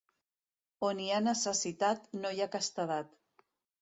On hi ha necessitat no hi ha castedat.